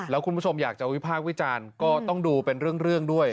แล้วคุณผู้ชมอยากจะวิพากษ์วิจารณ์ก็ต้องดูเป็นเรื่องด้วย